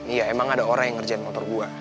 iya emang ada orang yang ngerjain motor gue